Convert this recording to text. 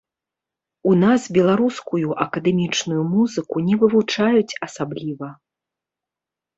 У нас беларускую акадэмічную музыку не вывучаюць асабліва.